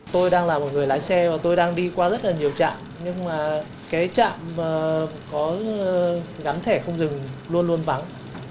tôi đang là một người lái xe và tôi đang đi qua rất là nhiều trạm nhưng mà cái trạm có gắn thẻ không dừng luôn luôn vắng